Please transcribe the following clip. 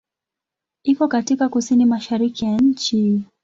Iko katika kusini-mashariki ya nchi.